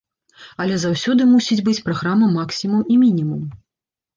Але заўсёды мусіць быць праграма максімум і мінімум.